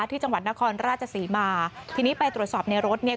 ที่จังหวัดนครราชศรีมาทีนี้ไปตรวจสอบในรถเนี่ย